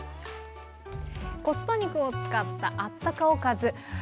コスパ肉を使ったあったかおかず。